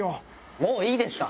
もういいですか？